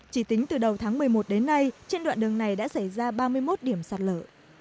chỉ tính từ đầu tháng một mươi một đến nay trên đoạn đường này đã xảy ra ba mươi một điểm sạt lở